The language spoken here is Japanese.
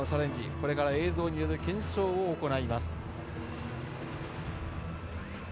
これから映像による検証を行います。